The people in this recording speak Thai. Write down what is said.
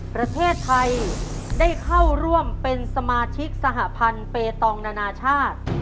ประเทศไทยได้เข้าร่วมเป็นสมาชิกสหพันธ์เปตองนานาชาติ